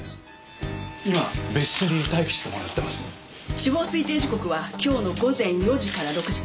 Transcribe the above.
死亡推定時刻は今日の午前４時から６時。